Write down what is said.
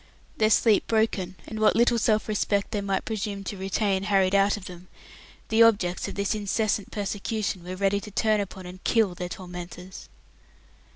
Their sleep broken, and what little self respect they might yet presume to retain harried out of them, the objects of this incessant persecution were ready to turn upon and kill their tormentors.